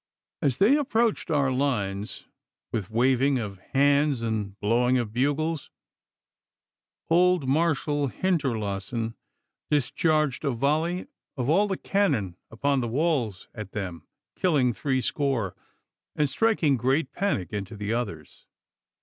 As they approached our lines with waving of hands and blowing of bugles, old Marshal Hinterlassen discharged a volley of all the cannon upon the walls at them, killing three score and striking great panic into the others.